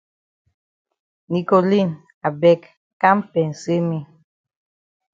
Nicoline I beg kam pensay me.